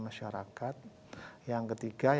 masyarakat yang ketiga